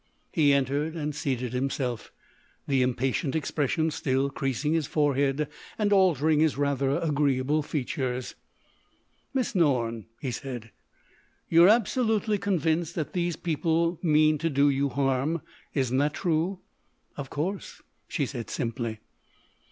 He entered and seated himself, the impatient expression still creasing his forehead and altering his rather agreeable features. "Miss Norne," he said, "you're absolutely convinced that these people mean to do you harm. Isn't that true?" "Of course," she said simply.